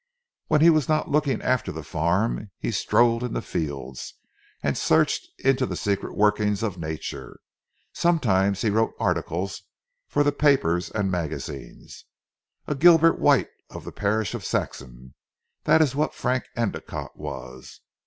When he was not looking after the farm he strolled in the fields, and searched into the secret workings of Nature. Sometimes he wrote articles for the papers and magazines. A Gilbert White of the Parish of Saxham, that is what Frank Endicotte was.